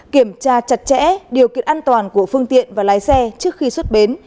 kiểm tra chặt chẽ điều kiện an toàn của phương tiện và lái xe trước khi xuất bến